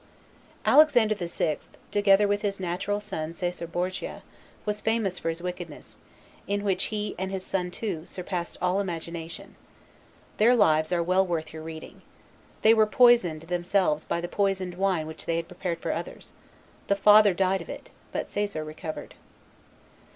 Alexander the Sixth, together with his natural son Caesar Borgia, was famous for his wickedness, in which he, and his son too, surpassed all imagination. Their lives are well worth your reading. They were poisoned themselves by the poisoned wine which they had prepared for others; the father died of it, but Caesar recovered.